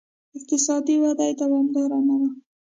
اقتصادي وده یې دوامداره نه وه